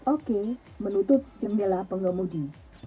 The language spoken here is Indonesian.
oke menutup jendela pengemudi